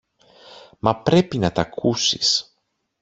Μα πρέπει να τ' ακούσεις.